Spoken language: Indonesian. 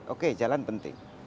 oke jalan penting